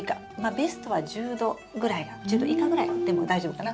ベストは１０℃ぐらいが１０℃以下ぐらいでも大丈夫かな。